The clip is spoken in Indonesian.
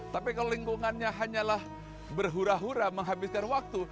tapi kalau lingkungannya hanyalah berhura hura menghabiskan waktu